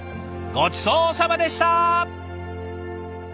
ごちそうさまでした！